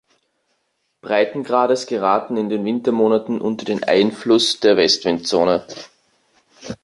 Breitengrades geraten in den Wintermonaten unter den Einfluss der Westwindzone.